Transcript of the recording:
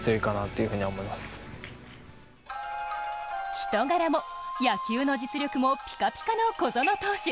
人柄も野球の実力もピカピカの小園投手。